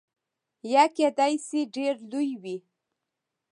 یا کیدای شي ډیر لوی وي.